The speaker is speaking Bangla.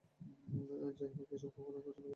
যাইহোক, এসব কখনোই আমি পছন্দ করতাম না।